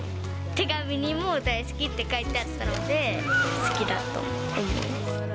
手紙にも大好きって書いてあったので好きだと思う。